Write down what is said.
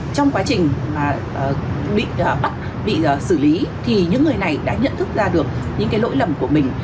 trong quá trình bị bắt bị xử lý thì những người này đã nhận thức ra được những cái lỗi lầm của mình